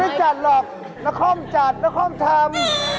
ไม่ได้จัดหรอกนครมจัดนครมทำ